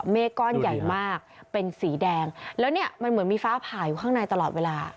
เมฆก้อนใหญ่มากเป็นสีแดงแล้วเนี่ยมันเหมือนมีฟ้าผ่าอยู่ข้างในตลอดเวลา